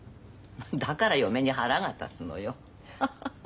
だから嫁に腹が立つのよ。ハハハ。